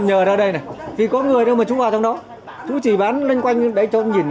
rồi dọc cái đường đi chính thôi